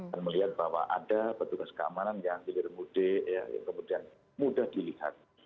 dan melihat bahwa ada petugas keamanan yang gilir mudik yang kemudian mudah dilihat